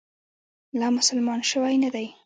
لا مسلمان شوی نه دی.